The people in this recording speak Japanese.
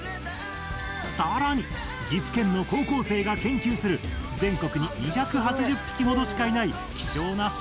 更に岐阜県の高校生が研究する全国に２８０匹ほどしかいない希少なしば犬が登場！